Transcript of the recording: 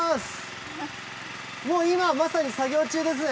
もう今まさに作業中ですね？